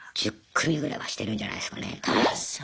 １０組ぐらいはしてるんじゃないすかね多分。